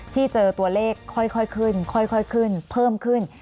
ที่เจอตัวเลขค่อยขึ้นค่อยขึ้นเพิ่มขึ้น